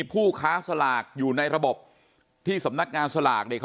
ผู้ค้าสลากอยู่ในระบบที่สำนักงานสลาก